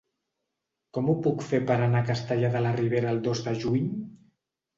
Com ho puc fer per anar a Castellar de la Ribera el dos de juny?